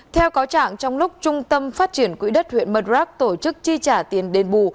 theo cáo trạng trong lúc trung tâm phát triển quỹ đất huyện mật rắc tổ chức chi trả tiền đền bù